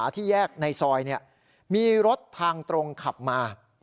ที่แยกในซอยมีรถทางตรงขับมา